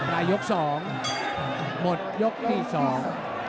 รายยกสองหมดยกที่สอง